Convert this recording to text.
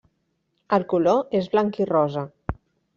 El color és blanc i rosa.